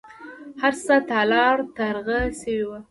هر څه تالا ترغه شوي وو.